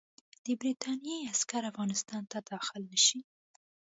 د برټانیې عسکر افغانستان ته داخل نه شي.